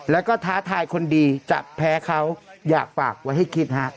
แล้วก็ท้าทายคนดีจะแพ้เขาอยากฝากไว้ให้คิดฮะ